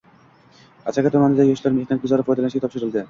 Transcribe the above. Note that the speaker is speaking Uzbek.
Asaka tumanida “Yoshlar mehnat guzari” foydalanishga topshirildi